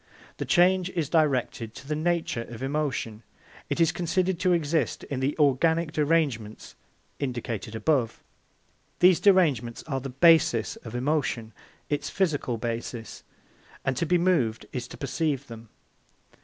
The change is directed to the nature of emotion. It is considered to exist in the organic derangements indicated above. These derangements are the basis of emotion, its physical basis, and to be moved is to perceive them.